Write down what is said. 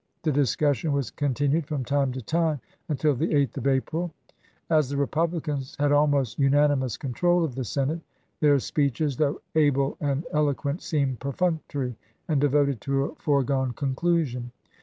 The discus sion was continued from time to time until the 8th of April. As the Eepublicans had almost unanimous control of the Senate, their speeches, though able and eloquent, seemed perfunctory and devoted to a foregone conclusion.